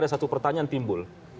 ada satu pertanyaan timbul